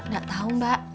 gak tau mbak